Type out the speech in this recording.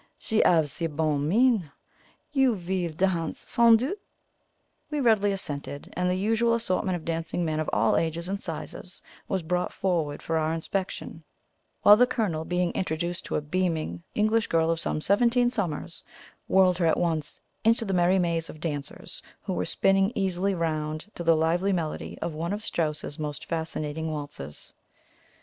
She 'ave si bonne mine. You veel dance, sans doute?" We readily assented, and the usual assortment of dancing men of all ages and sizes was brought forward for our inspection; while the Colonel, being introduced to a beaming English girl of some seventeen summers, whirled her at once into the merry maze of dancers, who were spinning easily round to the lively melody of one of Strauss's most fascinating waltzes.